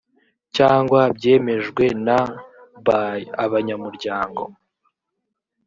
cyangwa byemejwe na by abanyamuryango